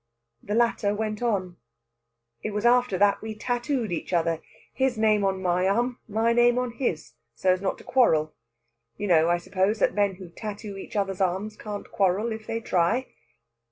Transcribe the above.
The latter went on: "It was after that we tattooed each other, his name on my arm, my name on his, so as not to quarrel. You know, I suppose, that men who tattoo each other's arms can't quarrel if they try?"